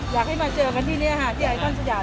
อยากให้มาเจอกันที่นี่ค่ะที่ไอคอนสยาม